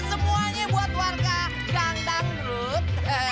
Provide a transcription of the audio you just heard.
semuanya buat warga gang dangdut